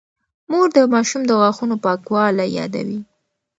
مور د ماشوم د غاښونو پاکوالی يادوي.